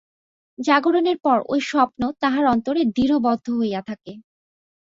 জাগরণের পর ঐ স্বপ্ন তাহার অন্তরে দৃঢ়বদ্ধ হইয়া থাকে।